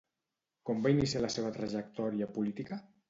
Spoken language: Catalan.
Com va iniciar la seva trajectòria política?